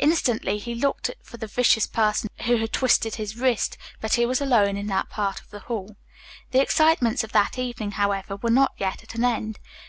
Instantly he looked about for the vicious person who had twisted his wrist, but he was alone in that part of the hall. The excitements of that evening, however, were not yet at an end.